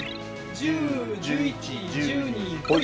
１０１１１２ほい。